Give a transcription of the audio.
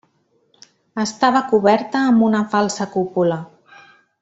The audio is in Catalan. Estava coberta amb una falsa cúpula.